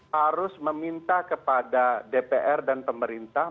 harus meminta kepada dpr dan pemerintah